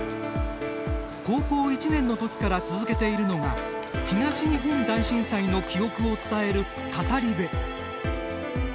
高校１年のときから続けているのが、東日本大震災の記憶を伝える語り部。